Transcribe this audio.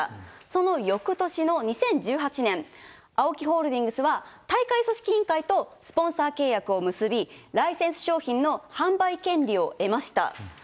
その翌年の２０１８年、ＡＯＫＩホールディングスは、大会組織委員会とスポンサー契約を結び、ライセンス商品の販売権利を得ました。